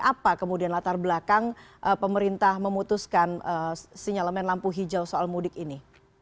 apa kemudian latar belakang pemerintah memutuskan sinyalemen lampu hijau soal mudik ini